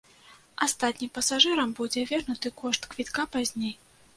Астатнім пасажырам будзе вернуты кошт квітка пазней.